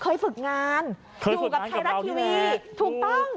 เคยฝึกงานกับเบานี่แหละใช่ไหมถูกต้อง